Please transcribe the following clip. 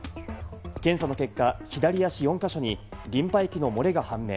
検査の結果、左足４か所にリンパ液の漏れが判明。